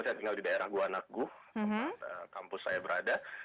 saya tinggal di daerah gua nakgu kampus saya berada